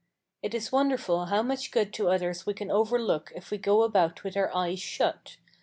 It is wonderful how much good to others we can overlook if we go about with our eyes shut.